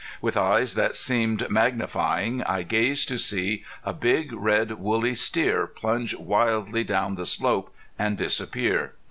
With eyes that seemed magnifying I gazed to see a big red woolly steer plunge wildly down the slope and disappear.